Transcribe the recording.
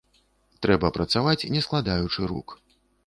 Трэба працаваць, не складаючы рук.